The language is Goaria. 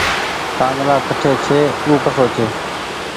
ڪآنگلآ ڪٺي ڇي ۔او ڪسو ڇي۔